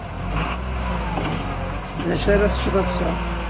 D acu ara teččeḍ ass-a?